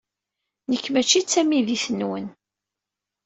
Nekk maci d tamidit-nwent.